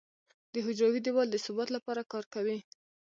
د حجروي دیوال د ثبات لپاره کار کوي.